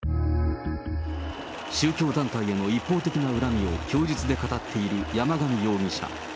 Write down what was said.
宗教団体への一方的な恨みを供述で語っている山上容疑者。